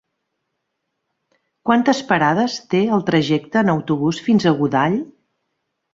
Quantes parades té el trajecte en autobús fins a Godall?